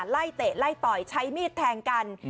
เตะไล่ต่อยใช้มีดแทงกัน